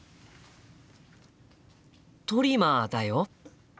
トリマーだよ。